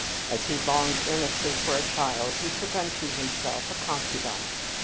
As he longed earnestly for a child, he took unto himself a concubine.